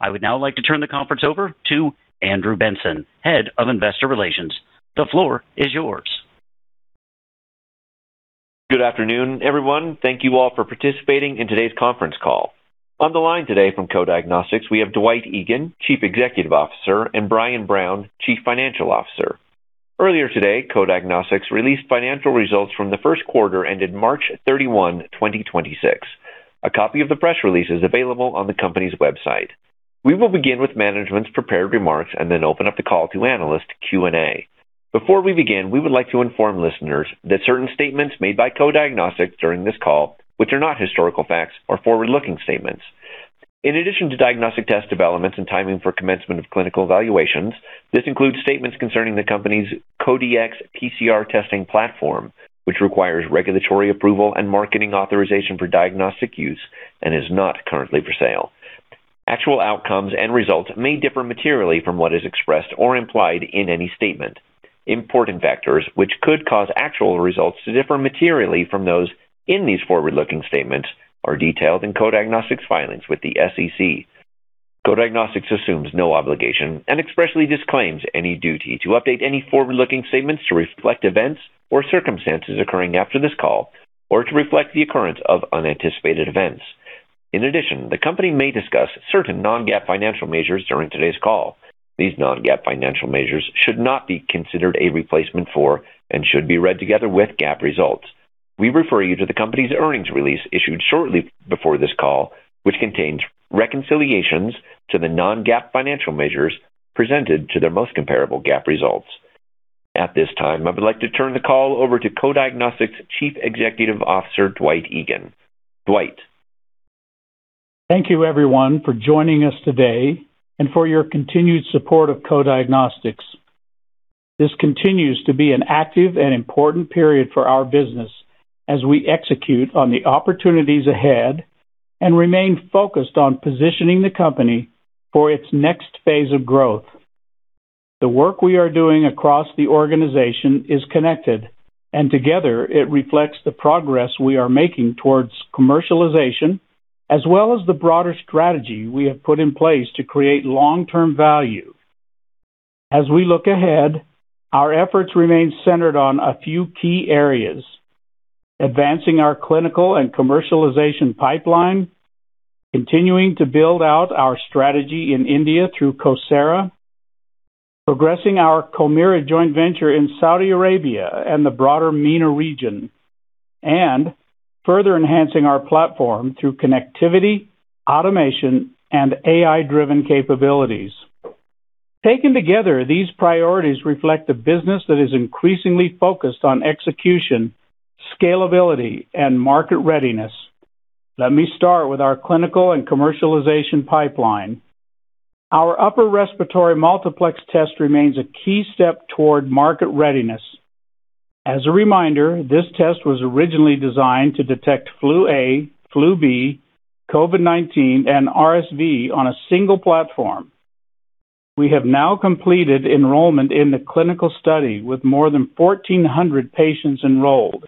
I would now like to turn the conference over to Andrew Benson, Head of Investor Relations. The floor is yours. Good afternoon, everyone. Thank you all for participating in today's conference call. On the line today from Co-Diagnostics, we have Dwight Egan, Chief Executive Officer, and Brian Brown, Chief Financial Officer. Earlier today, Co-Diagnostics released financial results from the first quarter ended March 31, 2026. A copy of the press release is available on the company's website. We will begin with management's prepared remarks and then open up the call to analyst Q&A. Before we begin, we would like to inform listeners that certain statements made by Co-Diagnostics during this call, which are not historical facts, are forward-looking statements. In addition to diagnostic test developments and timing for commencement of clinical evaluations, this includes statements concerning the company's Co-Dx PCR testing platform, which requires regulatory approval and marketing authorization for diagnostic use and is not currently for sale. Actual outcomes and results may differ materially from what is expressed or implied in any statement. Important factors which could cause actual results to differ materially from those in these forward-looking statements are detailed in Co-Diagnostics' filings with the SEC. Co-Diagnostics assumes no obligation and expressly disclaims any duty to update any forward-looking statements to reflect events or circumstances occurring after this call or to reflect the occurrence of unanticipated events. In addition, the company may discuss certain non-GAAP financial measures during today's call. These non-GAAP financial measures should not be considered a replacement for and should be read together with GAAP results. We refer you to the company's earnings release issued shortly before this call, which contains reconciliations to the non-GAAP financial measures presented to their most comparable GAAP results. At this time, I would like to turn the call over to Co-Diagnostics' Chief Executive Officer, Dwight Egan. Dwight. Thank you, everyone, for joining us today and for your continued support of Co-Diagnostics. This continues to be an active and important period for our business as we execute on the opportunities ahead and remain focused on positioning the company for its next phase of growth. The work we are doing across the organization is connected, and together it reflects the progress we are making towards commercialization, as well as the broader strategy we have put in place to create long-term value. As we look ahead, our efforts remain centered on a few key areas: advancing our clinical and commercialization pipeline, continuing to build out our strategy in India through CoSara Diagnostics, progressing our CoMira Diagnostics joint venture in Saudi Arabia and the broader MENA region, and further enhancing our platform through connectivity, automation, and AI-driven capabilities. Taken together, these priorities reflect a business that is increasingly focused on execution, scalability, and market readiness. Let me start with our clinical and commercialization pipeline. Our upper respiratory multiplex test remains a key step toward market readiness. As a reminder, this test was originally designed to detect flu A, flu B, COVID-19, and RSV on a single platform. We have now completed enrollment in the clinical study with more than 1,400 patients enrolled.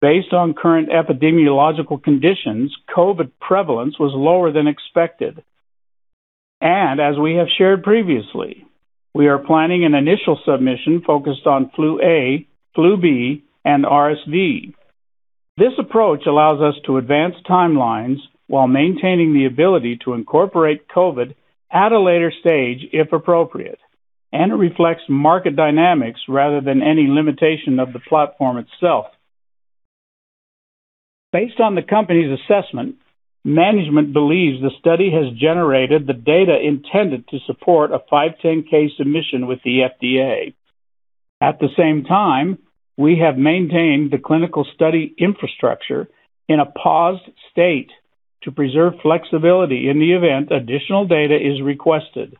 Based on current epidemiological conditions, COVID prevalence was lower than expected. As we have shared previously, we are planning an initial submission focused on flu A, flu B, and RSV. This approach allows us to advance timelines while maintaining the ability to incorporate COVID at a later stage, if appropriate, and reflects market dynamics rather than any limitation of the platform itself. Based on the company's assessment, management believes the study has generated the data intended to support a 510(k) submission with the FDA. At the same time, we have maintained the clinical study infrastructure in a paused state to preserve flexibility in the event additional data is requested.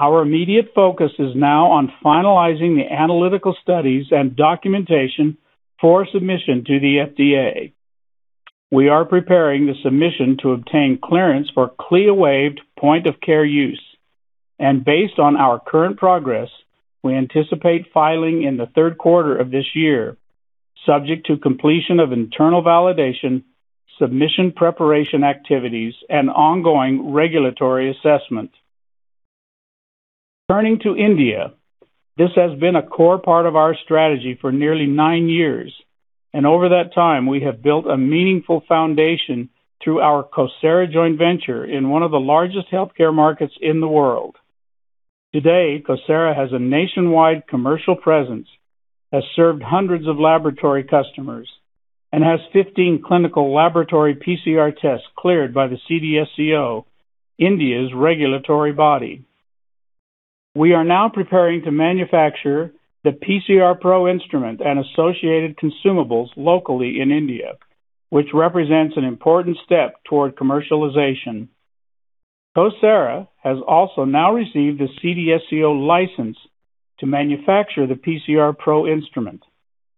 Our immediate focus is now on finalizing the analytical studies and documentation for submission to the FDA. We are preparing the submission to obtain clearance for CLIA-waived point-of-care use. Based on our current progress, we anticipate filing in the third quarter of this year, subject to completion of internal validation, submission preparation activities, and ongoing regulatory assessment. Turning to India, this has been a core part of our strategy for nearly nine years, and over that time, we have built a meaningful foundation through our CoSara joint venture in one of the largest healthcare markets in the world. Today, CoSara has a nationwide commercial presence, has served hundreds of laboratory customers, and has 15 clinical laboratory PCR tests cleared by the CDSCO, India's regulatory body. We are now preparing to manufacture the PCR Pro instrument and associated consumables locally in India, which represents an important step toward commercialization. CoSara has also now received a CDSCO license to manufacture the PCR Pro instrument,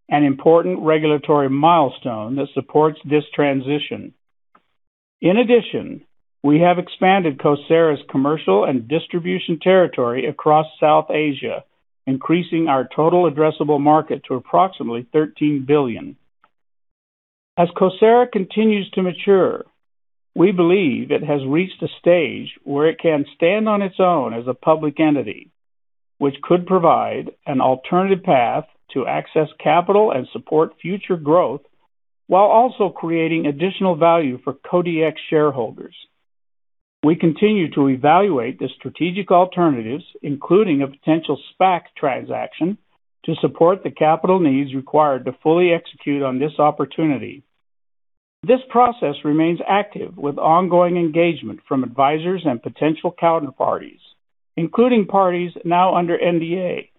an important regulatory milestone that supports this transition. In addition, we have expanded CoSara's commercial and distribution territory across South Asia, increasing our total addressable market to approximately $13 billion. As CoSara continues to mature, we believe it has reached a stage where it can stand on its own as a public entity, which could provide an alternative path to access capital and support future growth while also creating additional value for Co-Dx shareholders. We continue to evaluate the strategic alternatives, including a potential SPAC transaction, to support the capital needs required to fully execute on this opportunity. This process remains active with ongoing engagement from advisors and potential counterparties, including parties now under NDA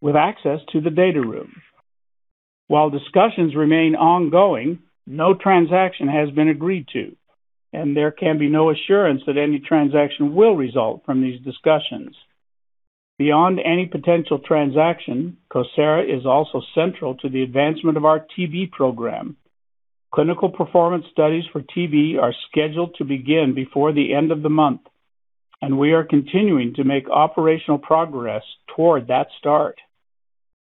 with access to the data room. While discussions remain ongoing, no transaction has been agreed to, and there can be no assurance that any transaction will result from these discussions. Beyond any potential transaction, CoSara is also central to the advancement of our TB program. Clinical performance studies for TB are scheduled to begin before the end of the month, and we are continuing to make operational progress toward that start.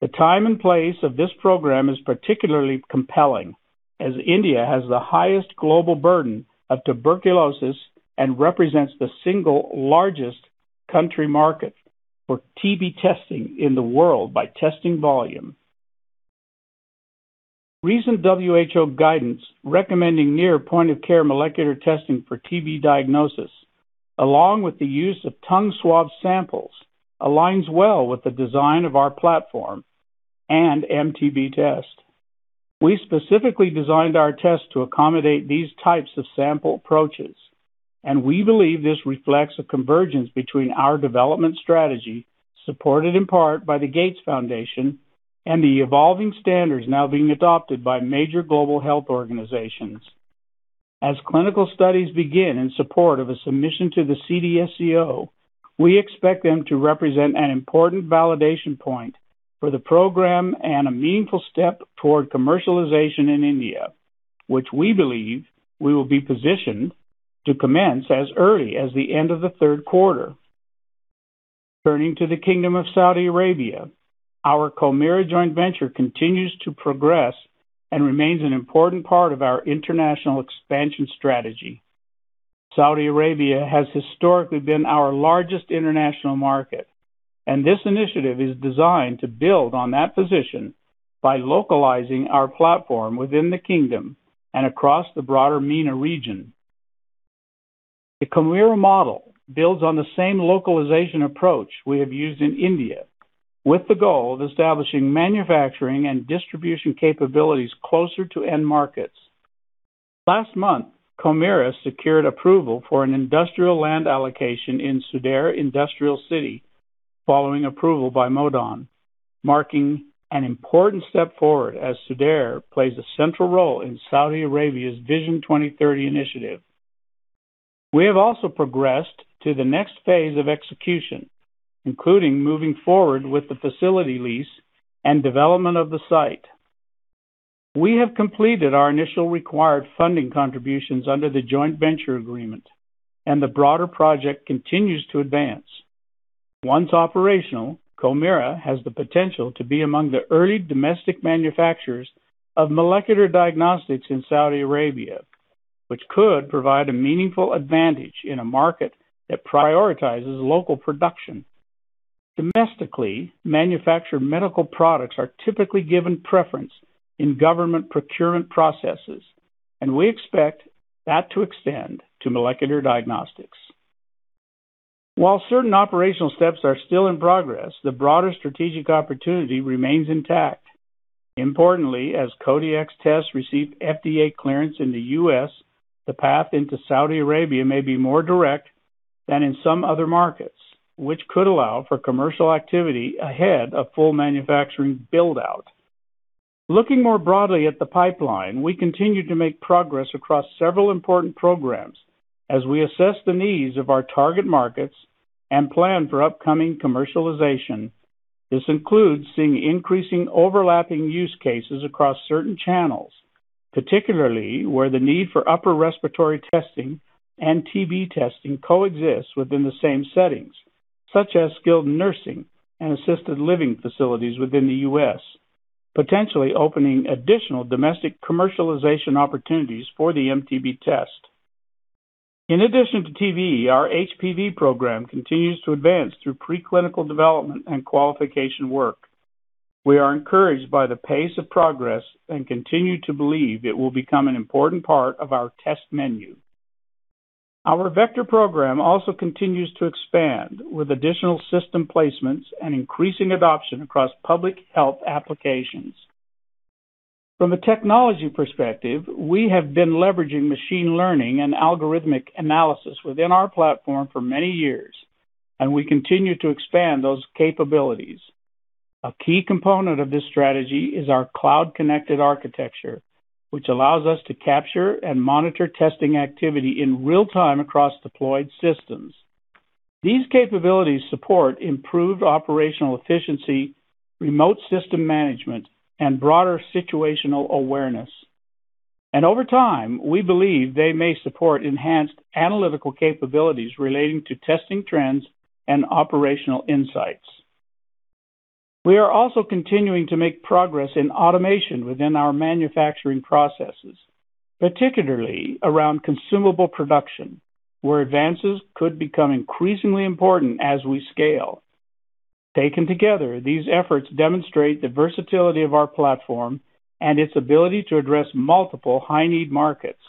The time and place of this program is particularly compelling as India has the highest global burden of tuberculosis and represents the single largest country market for TB testing in the world by testing volume. Recent WHO guidance recommending near point-of-care molecular testing for TB diagnosis, along with the use of tongue swab samples, aligns well with the design of our platform and MTB test. We specifically designed our test to accommodate these types of sample approaches, and we believe this reflects a convergence between our development strategy, supported in part by the Gates Foundation and the evolving standards now being adopted by major global health organizations. As clinical studies begin in support of a submission to the CDSCO, we expect them to represent an important validation point for the program and a meaningful step toward commercialization in India, which we believe we will be positioned to commence as early as the end of the third quarter. Turning to the Kingdom of Saudi Arabia, our CoMira joint venture continues to progress and remains an important part of our international expansion strategy. Saudi Arabia has historically been our largest international market, this initiative is designed to build on that position by localizing our platform within the kingdom and across the broader MENA region. The CoMira model builds on the same localization approach we have used in India, with the goal of establishing manufacturing and distribution capabilities closer to end markets. Last month, CoMira secured approval for an industrial land allocation in Sudair Industrial City following approval by MODON, marking an important step forward as Sudair plays a central role in Saudi Arabia's Vision 2030 initiative. We have also progressed to the next phase of execution, including moving forward with the facility lease and development of the site. We have completed our initial required funding contributions under the Joint Venture Agreement, the broader project continues to advance. Once operational, CoMira has the potential to be among the early domestic manufacturers of molecular diagnostics in Saudi Arabia, which could provide a meaningful advantage in a market that prioritizes local production. Domestically manufactured medical products are typically given preference in government procurement processes. We expect that to extend to molecular diagnostics. While certain operational steps are still in progress, the broader strategic opportunity remains intact. Importantly, as Co-Dx tests receive FDA clearance in the U.S., the path into Saudi Arabia may be more direct than in some other markets, which could allow for commercial activity ahead of full manufacturing build-out. Looking more broadly at the pipeline, we continue to make progress across several important programs as we assess the needs of our target markets and plan for upcoming commercialization. This includes seeing increasing overlapping use cases across certain channels, particularly where the need for upper respiratory testing and TB testing coexist within the same settings, such as skilled nursing and assisted living facilities within the U.S., potentially opening additional domestic commercialization opportunities for the MTB test. In addition to TB, our HPV program continues to advance through preclinical development and qualification work. We are encouraged by the pace of progress and continue to believe it will become an important part of our test menu. Our vector program also continues to expand with additional system placements and increasing adoption across public health applications. From a technology perspective, we have been leveraging machine learning and algorithmic analysis within our platform for many years, and we continue to expand those capabilities. A key component of this strategy is our cloud-connected architecture, which allows us to capture and monitor testing activity in real time across deployed systems. These capabilities support improved operational efficiency, remote system management, and broader situational awareness. Over time, we believe they may support enhanced analytical capabilities relating to testing trends and operational insights. We are also continuing to make progress in automation within our manufacturing processes, particularly around consumable production, where advances could become increasingly important as we scale. Taken together, these efforts demonstrate the versatility of our platform and its ability to address multiple high-need markets.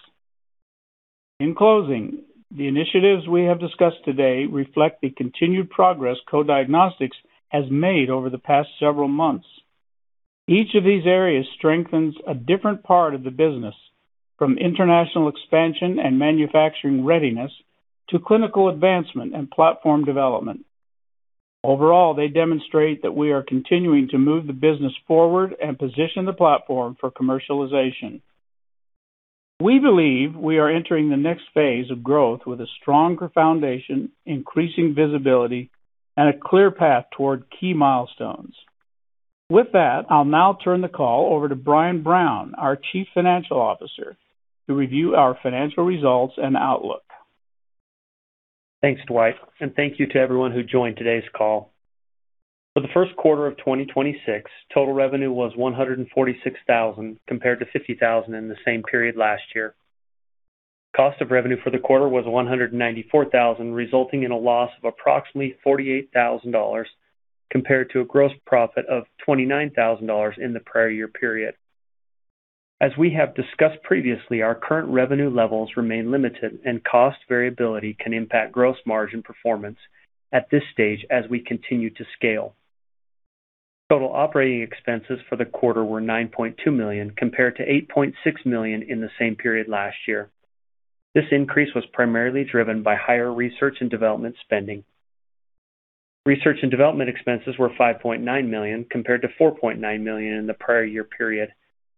In closing, the initiatives we have discussed today reflect the continued progress Co-Diagnostics has made over the past several months. Each of these areas strengthens a different part of the business, from international expansion and manufacturing readiness to clinical advancement and platform development. Overall, they demonstrate that we are continuing to move the business forward and position the platform for commercialization. We believe we are entering the next phase of growth with a stronger foundation, increasing visibility, and a clear path toward key milestones. With that, I'll now turn the call over to Brian Brown, our Chief Financial Officer, to review our financial results and outlook. Thanks, Dwight, thank you to everyone who joined today's call. For the first quarter of 2026, total revenue was $146,000 compared to $50,000 in the same period last year. Cost of revenue for the quarter was $194,000, resulting in a loss of approximately $48,000 compared to a gross profit of $29,000 in the prior year period. As we have discussed previously, our current revenue levels remain limited, and cost variability can impact gross margin performance at this stage as we continue to scale. Total operating expenses for the quarter were $9.2 million compared to $8.6 million in the same period last year. This increase was primarily driven by higher research and development spending. Research and development expenses were $5.9 million compared to $4.9 million in the prior year period,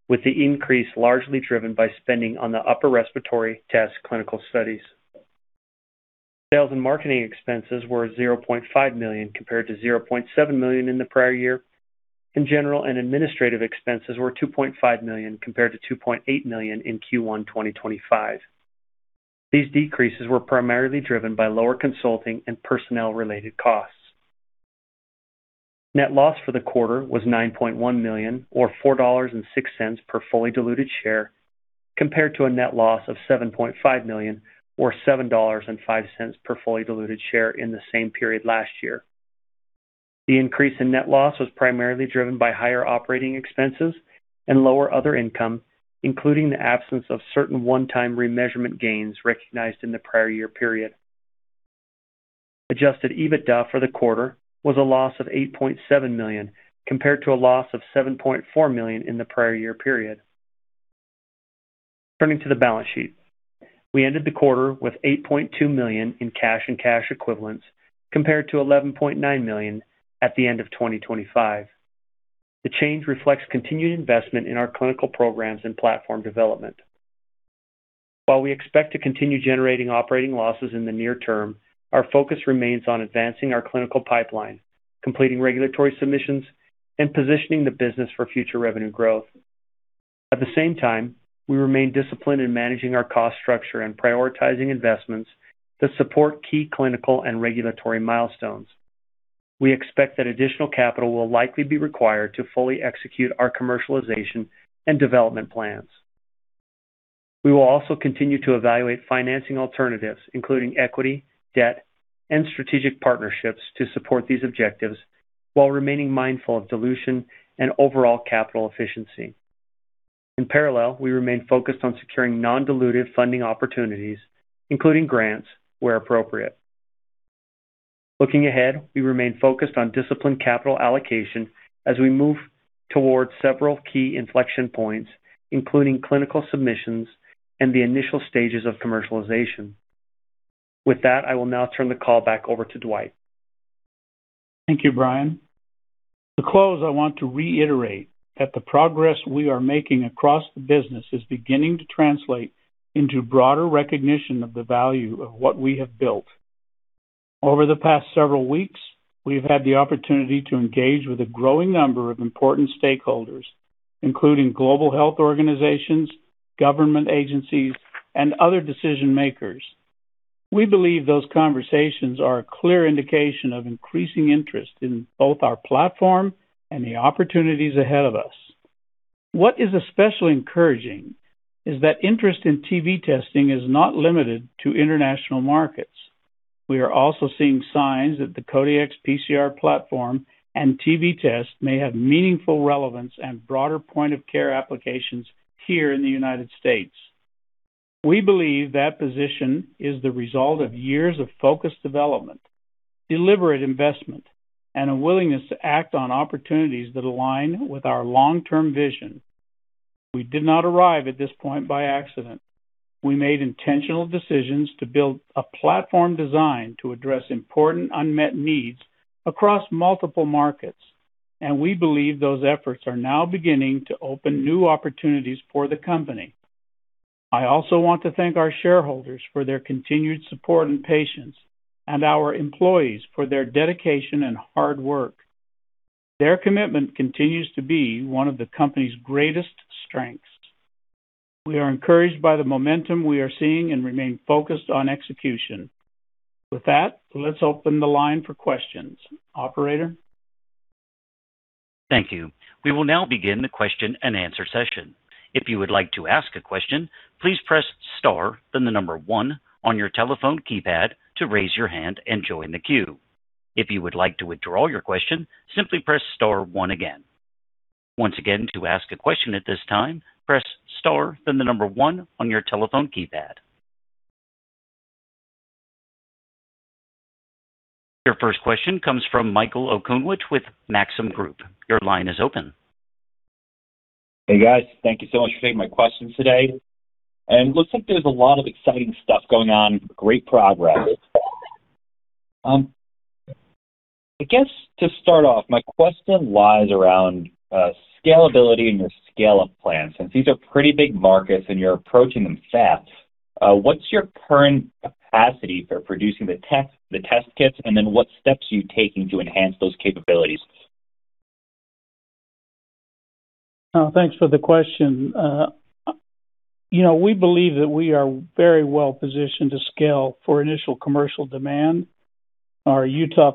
with the increase largely driven by spending on the upper respiratory test clinical studies. Sales and marketing expenses were $0.5 million compared to $0.7 million in the prior year. General and administrative expenses were $2.5 million compared to $2.8 million in Q1 2025. These decreases were primarily driven by lower consulting and personnel-related costs. Net loss for the quarter was $9.1 million or $4.06 per fully diluted share compared to a net loss of $7.5 million or $7.05 per fully diluted share in the same period last year. The increase in net loss was primarily driven by higher operating expenses and lower other income, including the absence of certain one-time remeasurement gains recognized in the prior year period. Adjusted EBITDA for the quarter was a loss of $8.7 million compared to a loss of $7.4 million in the prior year period. Turning to the balance sheet. We ended the quarter with $8.2 million in cash and cash equivalents compared to $11.9 million at the end of 2025. The change reflects continued investment in our clinical programs and platform development. While we expect to continue generating operating losses in the near term, our focus remains on advancing our clinical pipeline, completing regulatory submissions, and positioning the business for future revenue growth. At the same time, we remain disciplined in managing our cost structure and prioritizing investments that support key clinical and regulatory milestones. We expect that additional capital will likely be required to fully execute our commercialization and development plans. We will also continue to evaluate financing alternatives, including equity, debt, and strategic partnerships to support these objectives while remaining mindful of dilution and overall capital efficiency. In parallel, we remain focused on securing non-dilutive funding opportunities, including grants where appropriate. Looking ahead, we remain focused on disciplined capital allocation as we move towards several key inflection points, including clinical submissions and the initial stages of commercialization. With that, I will now turn the call back over to Dwight. Thank you, Brian. To close, I want to reiterate that the progress we are making across the business is beginning to translate into broader recognition of the value of what we have built. Over the past several weeks, we've had the opportunity to engage with a growing number of important stakeholders, including global health organizations, government agencies, and other decision-makers. We believe those conversations are a clear indication of increasing interest in both our platform and the opportunities ahead of us. What is especially encouraging is that interest in TB testing is not limited to international markets. We are also seeing signs that the Co-Dx PCR platform and TB test may have meaningful relevance and broader point-of-care applications here in the United States. We believe that position is the result of years of focused development, deliberate investment, and a willingness to act on opportunities that align with our long-term vision. We did not arrive at this point by accident. We made intentional decisions to build a platform designed to address important unmet needs across multiple markets. We believe those efforts are now beginning to open new opportunities for the company. I also want to thank our shareholders for their continued support and patience and our employees for their dedication and hard work. Their commitment continues to be one of the company's greatest strengths. We are encouraged by the momentum we are seeing and remain focused on execution. With that, let's open the line for questions. Operator? Thank you. We will now begin the question-and-answer session. If you would like to ask a question, please press star, then the number one on your telephone keypad to raise your hand and join the queue. If you would like to withdraw your question, simply press star one again. Once again, to ask a question at this time, press star, then the number one on your telephone keypad. Your first question comes from Michael Okunewitch with Maxim Group. Your line is open. Hey, guys. Thank you so much for taking my questions today. Looks like there's a lot of exciting stuff going on. Great progress. I guess to start off, my question lies around scalability and your scale-up plans, since these are pretty big markets and you're approaching them fast. What's your current capacity for producing the test kits, and then what steps are you taking to enhance those capabilities? Thanks for the question. You know, we believe that we are very well-positioned to scale for initial commercial demand. Our Utah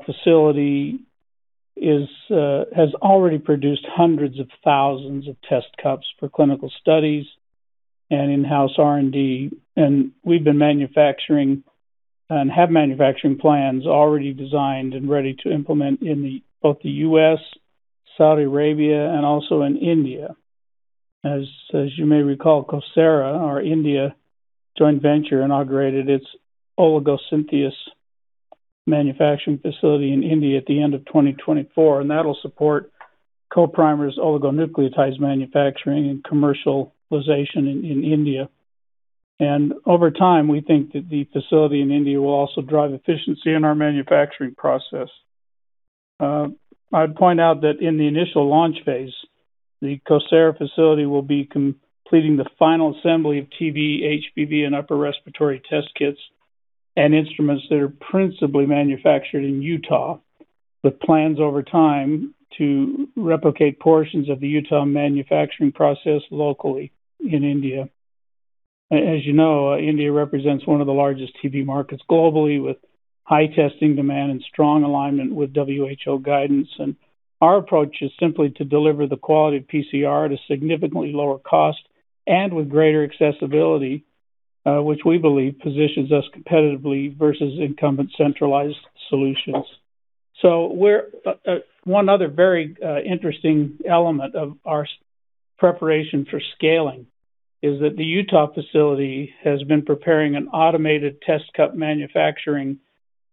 facility has already produced 100s of 1,000s of test cups for clinical studies and in-house R&D. We've been manufacturing and have manufacturing plans already designed and ready to implement in the, both the U.S., Saudi Arabia, and also in India. As you may recall, CoSara, our India joint venture, inaugurated its oligo synthesis manufacturing facility in India at the end of 2024, and that'll support CoPrimer's oligonucleotides manufacturing and commercialization in India. Over time, we think that the facility in India will also drive efficiency in our manufacturing process. I'd point out that in the initial launch phase, the CoSara Diagnostics facility will be completing the final assembly of TB, HBV, and upper respiratory test kits and instruments that are principally manufactured in Utah, with plans over time to replicate portions of the Utah manufacturing process locally in India. As you know, India represents one of the largest TB markets globally, with high testing demand and strong alignment with WHO guidance. Our approach is simply to deliver the quality of PCR at a significantly lower cost and with greater accessibility, which we believe positions us competitively versus incumbent centralized solutions. One other very interesting element of our preparation for scaling is that the Utah facility has been preparing an automated test cup manufacturing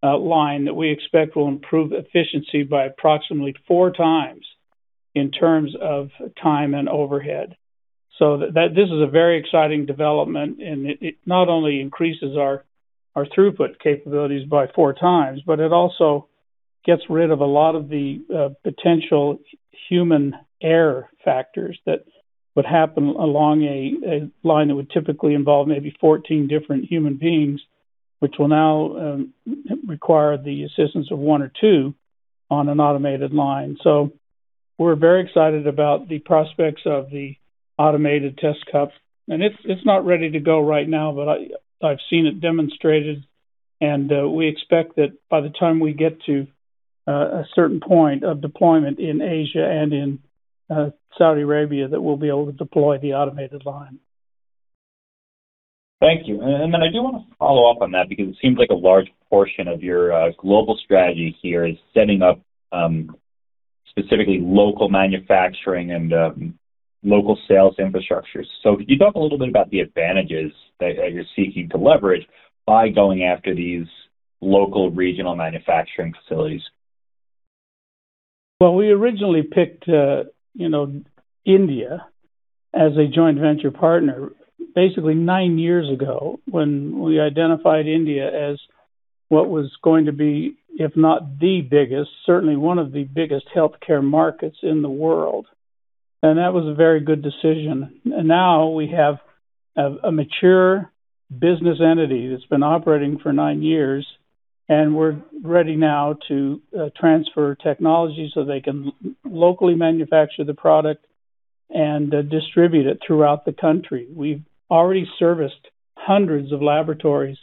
line that we expect will improve efficiency by approximately four times in terms of time and overhead. This is a very exciting development, and it not only increases our throughput capabilities by four times, but it also gets rid of a lot of the potential human error factors that would happen along a line that would typically involve maybe 14 different human beings, which will now require the assistance of one or two on an automated line. We're very excited about the prospects of the automated test cup. It's not ready to go right now, but I've seen it demonstrated and we expect that by the time we get to a certain point of deployment in Asia and in Saudi Arabia, that we'll be able to deploy the automated line. Thank you. I do want to follow up on that because it seems like a large portion of your global strategy here is setting up specifically local manufacturing and local sales infrastructures. Could you talk a little bit about the advantages that you're seeking to leverage by going after these local regional manufacturing facilities? We originally picked, you know, India as a joint venture partner basically nine years ago when we identified India as what was going to be, if not the biggest, certainly one of the biggest healthcare markets in the world. That was a very good decision. Now we have a mature business entity that's been operating for nine years, and we're ready now to transfer technology so they can locally manufacture the product and distribute it throughout the country. We've already serviced hundreds of laboratories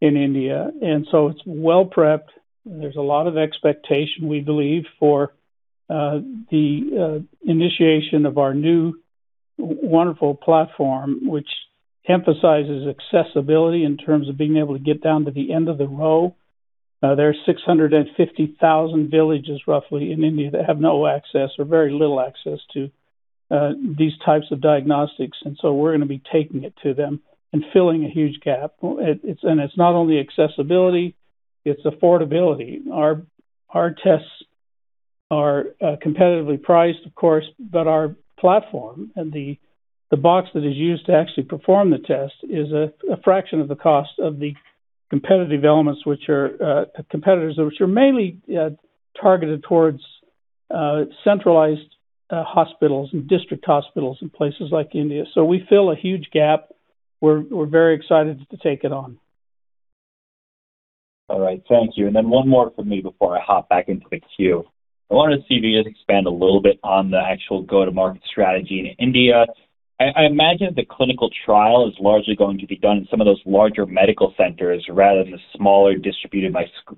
in India, it's well prepped. There's a lot of expectation, we believe, for the initiation of our new wonderful platform, which emphasizes accessibility in terms of being able to get down to the end of the row. There are 650,000 villages roughly in India that have no access or very little access to these types of diagnostics. We're gonna be taking it to them and filling a huge gap. It's not only accessibility, it's affordability. Our tests are competitively priced, of course, but our platform and the box that is used to actually perform the test is a fraction of the cost of the competitive elements which are competitors, which are mainly targeted towards centralized hospitals and district hospitals in places like India. We fill a huge gap. We're very excited to take it on. All right, thank you. Then one more from me before I hop back into the queue. I wanted to see if you could expand a little bit on the actual go-to-market strategy in India. I imagine the clinical trial is largely going to be done in some of those larger medical centers rather than the smaller distributed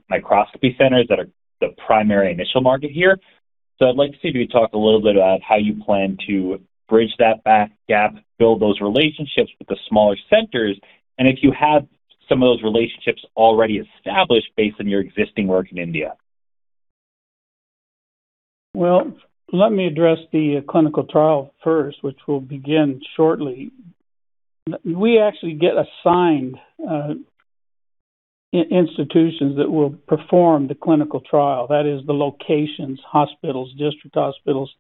microscopy centers that are the primary initial market here. I'd like to see if you talk a little bit about how you plan to bridge that gap, build those relationships with the smaller centers, and if you have some of those relationships already established based on your existing work in India. Well, let me address the clinical trial first, which will begin shortly. We actually get assigned institutions that will perform the clinical trial. That is the locations, hospitals, district hospitals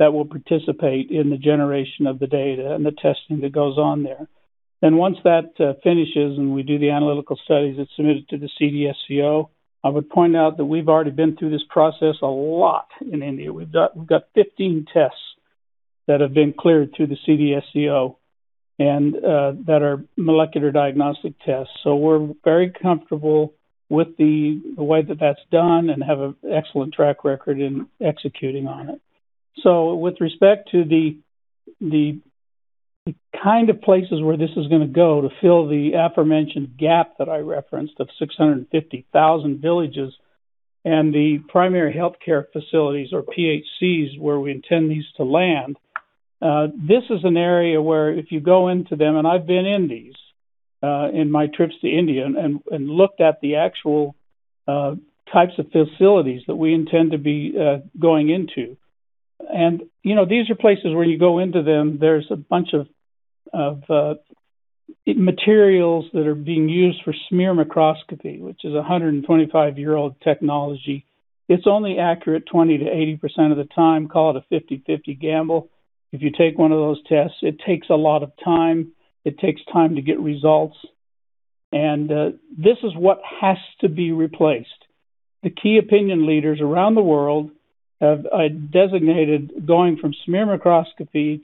that will participate in the generation of the data and the testing that goes on there. Once that finishes and we do the analytical studies, it's submitted to the CDSCO. I would point out that we've already been through this process a lot in India. We've got 15 tests that have been cleared through the CDSCO and that are molecular diagnostic tests. We're very comfortable with the way that that's done and have a excellent track record in executing on it. With respect to the kind of places where this is going to go to fill the aforementioned gap that I referenced of 650,000 villages and the primary healthcare facilities or PHCs where we intend these to land, this is an area where if you go into them, and I've been in these, in my trips to India and looked at the actual types of facilities that we intend to be going into. You know, these are places where you go into them, there's a bunch of materials that are being used for smear microscopy, which is a 125-year-old technology. It's only accurate 20%-80% of the time. Call it a 50/50 gamble. If you take one of those tests, it takes a lot of time. It takes time to get results. This is what has to be replaced. The key opinion leaders around the world have designated going from smear microscopy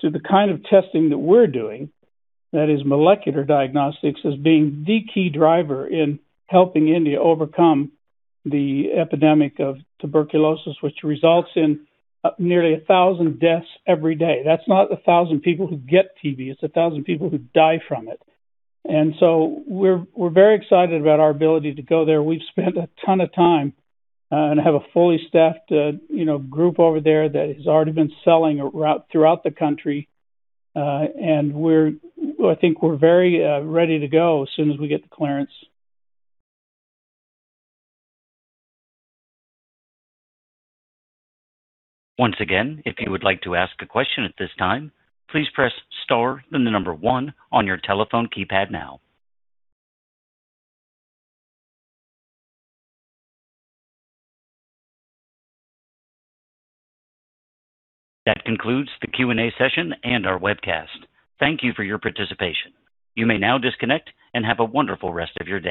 to the kind of testing that we're doing, that is molecular diagnostics, as being the key driver in helping India overcome the epidemic of tuberculosis, which results in nearly 1,000 deaths every day. That's not 1,000 people who get TB, it's 1,000 people who die from it. We're very excited about our ability to go there. We've spent a ton of time and have a fully staffed, you know, group over there that has already been selling a route throughout the country. I think we're very ready to go as soon as we get the clearance. That concludes the Q&A session and our webcast. Thank you for your participation. You may now disconnect and have a wonderful rest of your day.